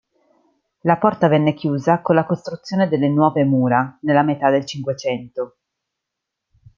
La porta venne chiusa con la costruzione delle nuove mura nella metà del cinquecento.